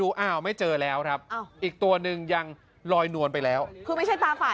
เข้าใจยังไงบิ